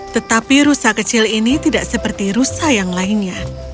tetapi perusa kecil ini tidak seperti perusa yang lainnya